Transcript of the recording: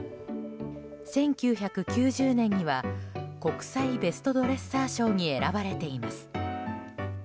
１９９０年には国際ベストドレッサー賞に選ばれています。